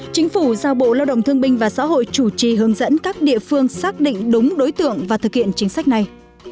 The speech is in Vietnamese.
chính phủ giao bộ lao động thương binh và xã hội chủ trì hướng dẫn các địa phương xác định đúng đối tượng và thực hiện chính sách này